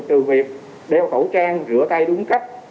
từ việc đeo khẩu trang rửa tay đúng cách